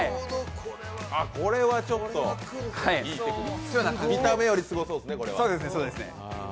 これは見た目よりすごそうですね。